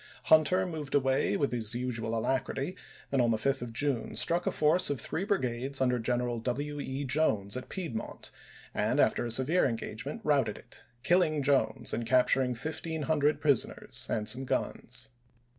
Hunter moved away with his usual alacrity, and on the 5th of June struck a force of three brigades under General W. E. Jones at Piedmont, and after a se vere engagement routed it, killing Jones and cap turing 1500 prisoners and some guns.